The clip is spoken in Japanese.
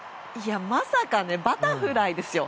まさかバタフライですよ。